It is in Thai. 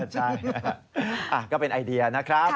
ใช่ก็เป็นไอเดียนะครับ